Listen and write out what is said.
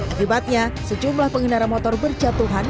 akibatnya sejumlah pengendara motor berjatuhan